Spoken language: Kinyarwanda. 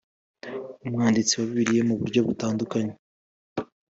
umwanditsi wa Bibiliya mu buryo butandukanye